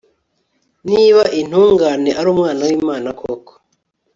niba intungane ari umwana w'imana koko